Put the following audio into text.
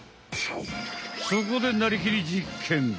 そこで「なりきり！実験！」。